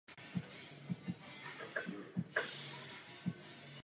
Společně vychovávají čtyři děti.